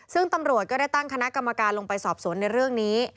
ซึ่งตำรวจก็ได้ตั้งคณะกรรมการลงไปสอบสวนในเรื่องนี้